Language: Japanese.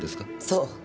そう。